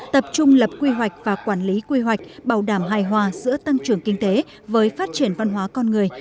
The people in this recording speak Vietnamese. tập trung lập quy hoạch và quản lý quy hoạch bảo đảm hài hòa giữa tăng trưởng kinh tế với phát triển văn hóa con người